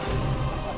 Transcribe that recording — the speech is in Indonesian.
sampai jumpa absolute